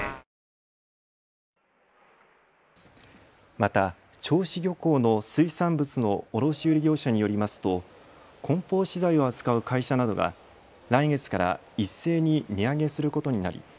また銚子漁港の水産物の卸売業者によりますとこん包資材を扱う会社などが来月から一斉に値上げすることになり